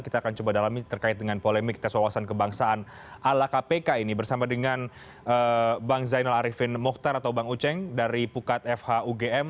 kita akan coba dalami terkait dengan polemik tes wawasan kebangsaan ala kpk ini bersama dengan bang zainal arifin mohtar atau bang uceng dari pukat fhugm